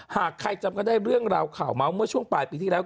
หากใครจำก็ได้เรื่องราวข่าวเมาส์เมื่อช่วงปลายปีที่แล้ว